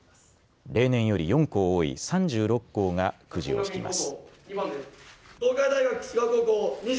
例年より４校多い３６校がくじを引きます。